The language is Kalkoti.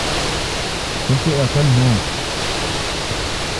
تسی عقل نان اؘ۔